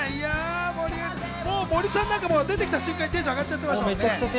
もう森さんなんか出てきた瞬間、テンション上がちゃってましたね。